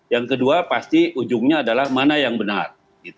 yang kedua pasti ujungnya adalah mana yang benar